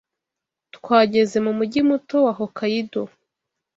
Twageze mu mujyi muto wa Hokkaido.